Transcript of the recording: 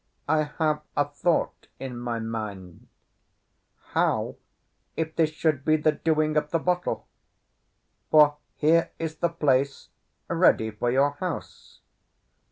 I have a thought in my mind. How if this should be the doing of the bottle? For here is the place ready for your house."